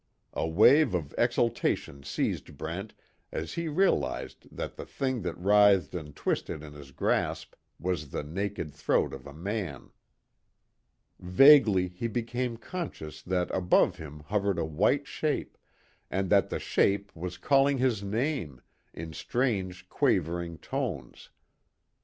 A wave of exultation seized Brent as he realized that the thing that writhed and twisted in his grasp was the naked throat of a man. Vaguely he became conscious that above him hovered a white shape, and that the shape was calling his name, in strange quavering tones.